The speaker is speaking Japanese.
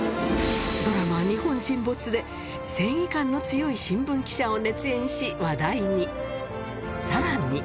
ドラマ、日本沈没で正義感の強い新聞記者を熱演し、話題に。